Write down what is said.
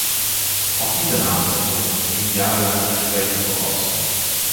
Auch dieser Namensänderung gingen jahrelange Gespräche voraus.